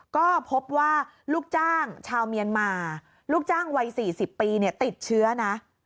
ก็พบว่าลูกจ้างชาวเมียนมาลูกจ้างวัย๔๐ปีติดเชื้อนะ